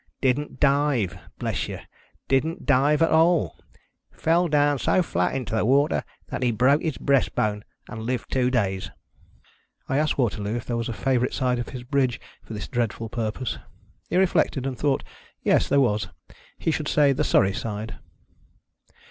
Didn't dive ! Bless you, didn't dive at all ! Fell down so flat into the water, that he broke his breast bone, and lived two days !" I asked Waterloo if there were a favorite side of his bridge for thia dreadful purpose ? He reflected, and thought yes, there Avas. He should say the Surrey side.